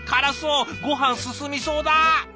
ごはん進みそうだ！